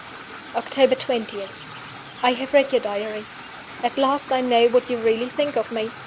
"October 20. "I have read your Diary. "At last I know what you really think of me.